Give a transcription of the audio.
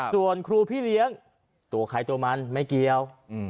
ส่วนครูพี่เลี้ยงตัวใครตัวมันไม่เกี่ยว